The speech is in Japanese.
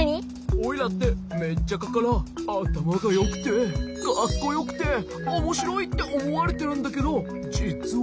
オイラってメッチャカからあたまがよくてかっこよくておもしろいっておもわれてるんだけどじつは。